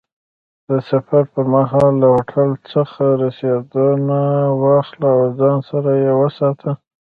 د سفر پر مهال له هوټل څخه رسیدونه واخله او ځان سره یې وساته.